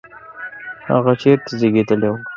هغه چیرته زیږېدلی و؟